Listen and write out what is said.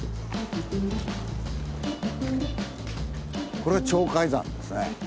これ鳥海山ですね。